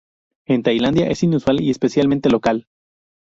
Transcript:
En Tailandia, es inusual y especialmente local.